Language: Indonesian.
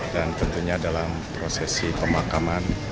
dan tentunya dalam prosesi pemakaman